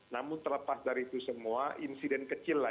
namun terlepas dari itu semua insiden kecil lah